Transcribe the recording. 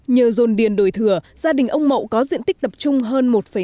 nhờ dồn điền đồi thừa gia đình ông mậu có diện tích tập trung hơn một năm hectare